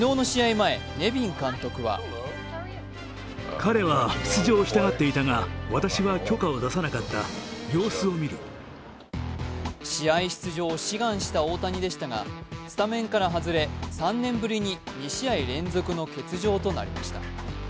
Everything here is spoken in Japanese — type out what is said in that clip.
前、ネビン監督は試合出場を志願した大谷でしたがスタメンから外れ３年ぶりに２試合連続の欠場となりました。